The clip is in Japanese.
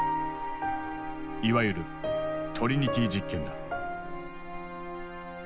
いわゆる「トリニティ実験」だ。